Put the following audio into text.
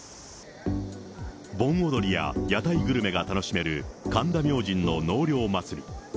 盆踊りや屋台グルメが楽しめる神田明神の納涼祭り。